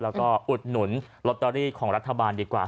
แล้วก็อุดหนุนลอตเตอรี่ของรัฐบาลดีกว่า